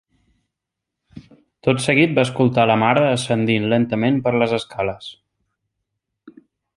Tot seguit va escoltar la mare ascendint lentament per les escales.